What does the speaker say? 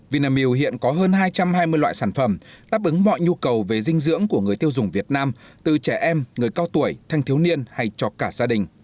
vinamilk hiện có hơn hai trăm hai mươi loại sản phẩm đáp ứng mọi nhu cầu về dinh dưỡng của người tiêu dùng việt nam từ trẻ em người cao tuổi thanh thiếu niên hay cho cả gia đình